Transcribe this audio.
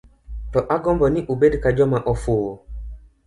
To agombo ni ubed ka joma ofuwo.